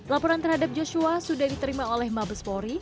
laporan terhadap joshua sudah diterima oleh mabespori